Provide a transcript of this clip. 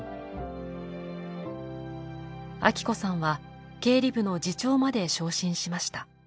アキ子さんは経理部の次長まで昇進しました。